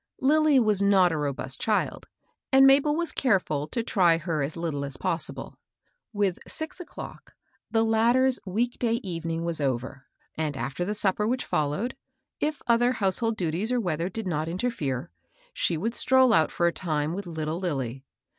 Lilly was not a robust child, and Mabel was careful to try her as httle as possible. With six o'clock the latter's week day evening •was over, and after the supper which followed, if other household duties or weather did not interfere, THE SEWING MACHINE. 26 she would staroll out for a time with little Lilly.